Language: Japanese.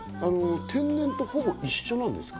天然とほぼ一緒なんですか？